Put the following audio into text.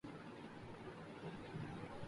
کرتارپور راہداری کا افتتاح خوش آئند